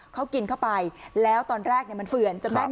เขากินเข้าไปแล้วตอนแรกมันเฟื่อนจำได้ไหม